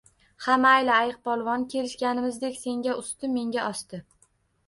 Ha, mayli, ayiqpolvon, kelishganimizdek senga usti, menga osti